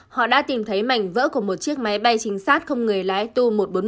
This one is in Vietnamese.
họ đã tìm thấy mảnh vỡ của một chiếc máy bay chính xác không người lái tu một trăm bốn mươi một